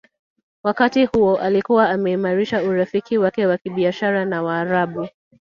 Wakati huo alikuwa ameimarisha urafiki wake wa kibiashara na Waarabu